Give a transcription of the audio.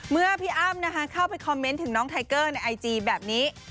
เมื่อพี่อ้ำเข้าไปคอมเมนต์ถึงน้องไทเกอร์ในไอจีแบบนี้